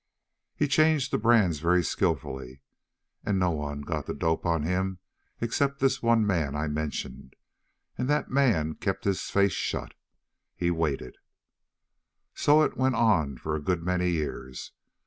"He changed the brands very skillfully, and no one got the dope on him except this one man I mentioned; and that man kept his face shut. He waited. "So it went on for a good many years.